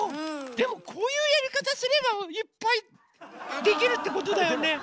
でもこういうやり方すればいっぱいできるってことだよね。